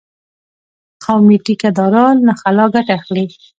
قومي ټيکه داران له خلا ګټه اخلي.